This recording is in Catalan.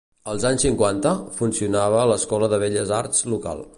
Als anys cinquanta, funcionava l'Escola de Belles Arts local.